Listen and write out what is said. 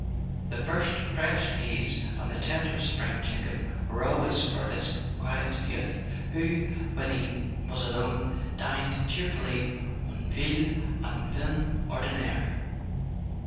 The first fresh peas and the tenderest spring chicken were always for this quiet youth, who, when he was alone, dined cheerfully on veal and tin ordinaire.